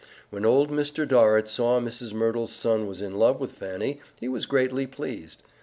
When old Mr. Dorrit saw Mrs. Merdle's son was in love with Fanny he was greatly pleased.